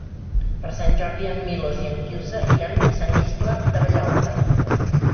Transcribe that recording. Per Sant Jordi en Milos i en Quirze iran a Sant Iscle de Vallalta.